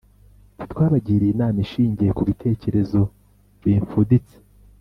Ntitwabagiriye inama ishingiye ku bitekerezo bimfuditse